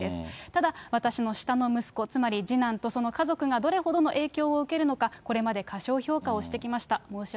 ただ、私の下の息子、つまり次男とその家族がどれほどの影響を受けるのか、これまで過小評価をしてきました。